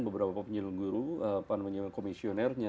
beberapa penyelenggara komisioner